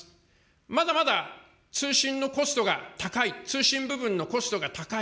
まだまだ通信のコストが高い、通信部分のコストが高い。